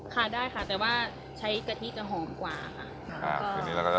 ค่ะได้ค่ะแต่ว่าใช้กะทิจะหอมกว่าค่ะ